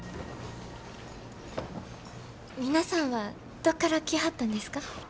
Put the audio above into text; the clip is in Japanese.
皆さんはどっから来はったんですか？